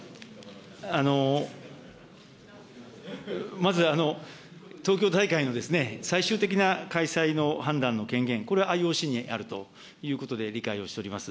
まず東京大会の、最終的な開催の判断の権限、これはＩＯＣにあるということで理解をしております。